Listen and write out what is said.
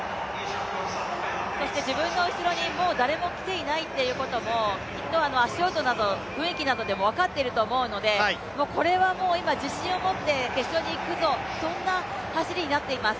そして自分の後ろにもう誰も来ていないということも、足音や雰囲気でも分かっていると思うので、これは今、自信を持って決勝に行くぞ、そんな走りになっています。